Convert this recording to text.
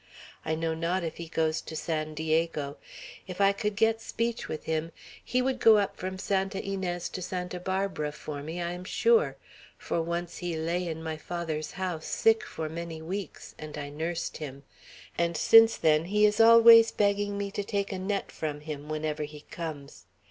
I know not if he goes to San Diego. If I could get speech with him, he would go up from Santa Inez to Santa Barbara for me, I am sure; for once he lay in my father's house, sick for many weeks, and I nursed him, and since then he is always begging me to take a net from him, whenever he comes.